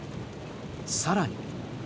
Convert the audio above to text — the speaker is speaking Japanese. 更に。